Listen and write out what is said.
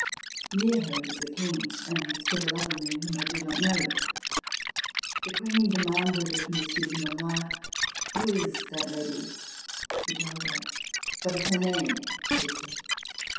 Near her was the King, and several other men whom I did not know. The Queen demanded of Monsieur Dumanoir: "Who is that lady?" He told her. "What is her name?" she said.